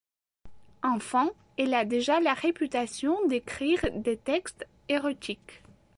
Enfant, elle a déjà la réputation d'écrire des textes érotiques.